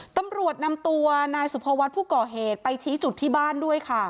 ตำรวจนำตัวนายสุภวัฒน์ผู้ก่อเหตุไปชี้จุดที่บ้านด้วยค่ะ